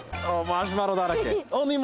マシュマロだらけ。